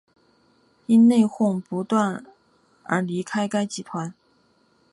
因内哄不断而离开该集团。